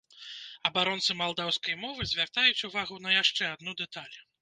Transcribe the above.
Абаронцы малдаўскай мовы звяртаюць увагу на яшчэ адну дэталь.